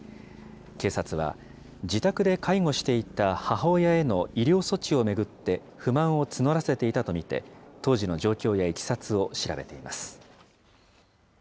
警察は、自宅で介護していた母親への医療措置を巡って不満を募らせていたと見て、当時の状況やいきさつを調べています。